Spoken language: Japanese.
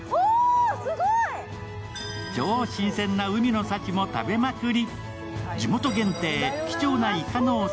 超新鮮な海の幸も食べまくり。